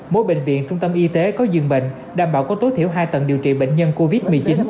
mỗi bệnh viện trung tâm y tế có dương bệnh đảm bảo có tối thiểu hai tầng điều trị bệnh nhân covid một mươi chín